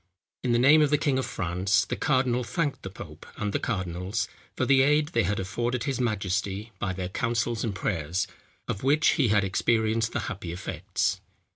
In the name of the king of France, the cardinal thanked the pope and the cardinals, for the aid they had afforded his majesty by their counsels and prayers, of which he had experienced the happy effects.